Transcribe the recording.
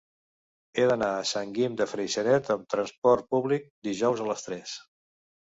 He d'anar a Sant Guim de Freixenet amb trasport públic dijous a les tres.